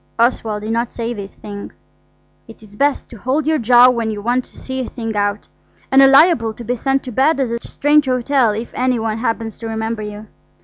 Oswald did not say these things. It is best to hold your jaw when you want to see a thing out, and are liable to be sent to bed at a strange hotel if any one happens to remember you.